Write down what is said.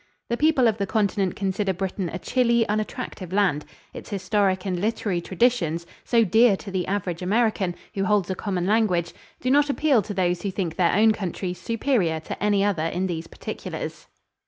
The people of the Continent consider Britain a chilly, unattractive land. Its historic and literary traditions, so dear to the average American, who holds a common language, do not appeal to those who think their own countries superior to any other in these particulars.